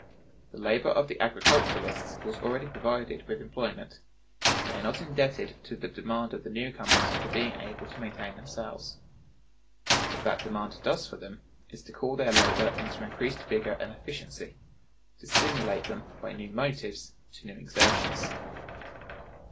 The labor of the agriculturists was already provided with employment; they are not indebted to the demand of the new comers for being able to maintain themselves. What that demand does for them is to call their labor into increased vigor and efficiency; to stimulate them, by new motives, to new exertions.